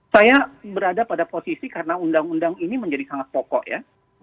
saya berada pada posisi karena undang undang ini menjadi sangat pokok ya